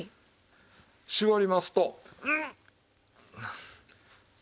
絞りますとうん！